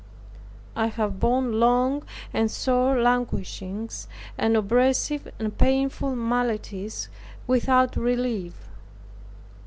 I have borne long and sore languishings, and oppressive and painful maladies without relief.